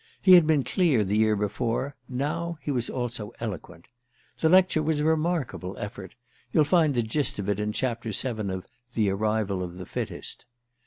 He had been clear the year before, now he was also eloquent. The lecture was a remarkable effort: you'll find the gist of it in Chapter VII of "The Arrival of the Fittest."